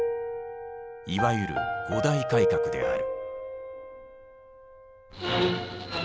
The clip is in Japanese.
いわゆる五大改革である。